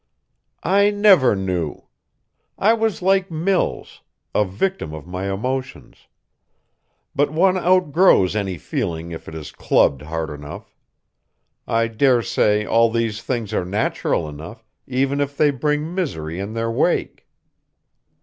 "I never knew. I was like Mills: a victim of my emotions. But one outgrows any feeling if it is clubbed hard enough. I daresay all these things are natural enough, even if they bring misery in their wake."